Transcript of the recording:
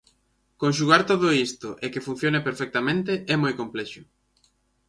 Conxugar todo isto e que funcione perfectamente é moi complexo.